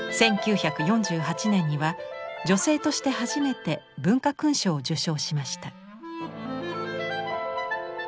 １９４８年には女性として初めて文化勲章を受章しました。